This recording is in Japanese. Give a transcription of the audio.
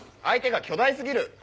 相手が巨大すぎる。